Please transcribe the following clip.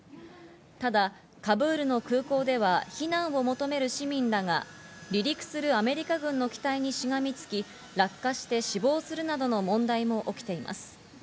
ただカブールの空港では避難を求める市民らが離陸するアメリカ軍の機体にしがみつき、落下して死亡するなどの問題も起きています。